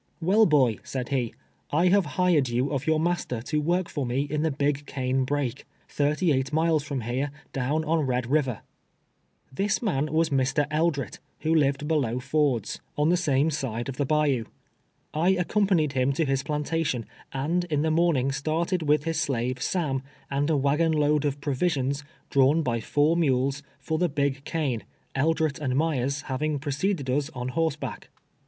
"Well, boy," said he, " I ha\e liired you of your master to work for jue in the '' Big Cane l>rake," thirty eight miles from here, down on lied River." This man was Mr. Eldret, who lived below Ford's, ELDEET, THE PLANTER. 153 on the same side of tlie linjon. I accompanied liim to liis plantation, and in the morning started with his slave Sam, and a Avagon load of provisions, drawn l)y four mules, for the Big Cane, Eldret and Myers liav ing preceded us on horseback.